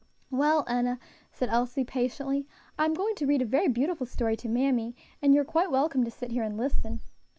"Well, Enna," said Elsie, patiently, "I am going to read a very beautiful story to mammy, and you are quite welcome to sit here and listen."